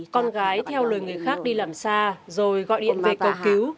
con gái theo lời người khác đi làm xa rồi gọi điện về cầu cứu